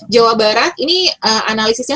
jawa barat ini analisisnya